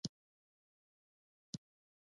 هغه شاعري هم کوي او شعرونه لیکي